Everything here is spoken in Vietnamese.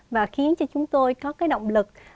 và khiến cho chúng tôi có cái động lực